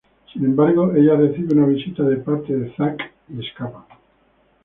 Sin embargo ella recibe una visita de parte de Zack y escapan.